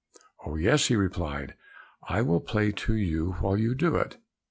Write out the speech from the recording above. "Oh, yes," he replied, "I will play to you while you do it."